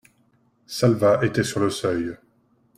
Salvat était sur le seuil.